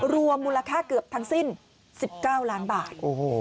รวมมูลค่าเกือบทั้งสิ้น๑๙ล้านบาท